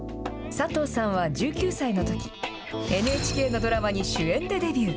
佐藤さんは１９歳のとき、ＮＨＫのドラマに主演でデビュー。